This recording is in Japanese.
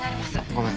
ごめん。